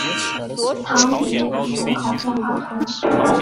唐迪人口变化图示